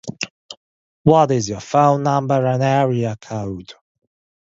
What is your phone number and area code?